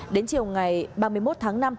đến chiều ngày ba mươi một tháng năm